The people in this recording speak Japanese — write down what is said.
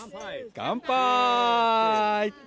乾杯！